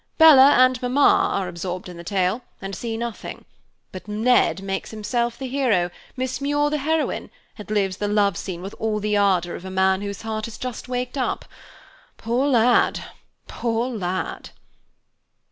Bella and Mamma are absorbed in the tale, and see nothing; but Ned makes himself the hero, Miss Muir the heroine, and lives the love scene with all the ardor of a man whose heart has just waked up. Poor lad! Poor lad!"